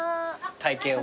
体験を。